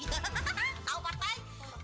tolongin gua dah